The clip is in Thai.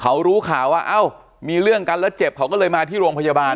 เขารู้ข่าวว่าเอ้ามีเรื่องกันแล้วเจ็บเขาก็เลยมาที่โรงพยาบาล